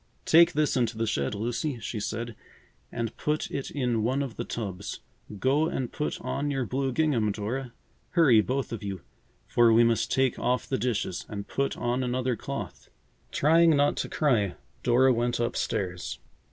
"Take this into the shed, Lucy," she said, "and put it in one of the tubs. Go and put on your blue gingham, Dora. Hurry, both of you, for we must take off the dishes and put on another cloth." Trying not to cry, Dora went up stairs.